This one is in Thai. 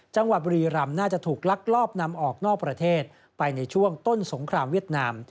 จังหวัดบุรีรำน่าจะถูกลักลอบนำออกนอกประเทศไปในช่วงต้นสงครามเวียดนาม